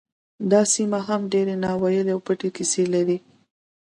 دا سیمه لا هم ډیرې ناوییلې او پټې کیسې لري